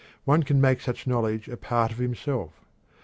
One can make such knowledge a part of himself.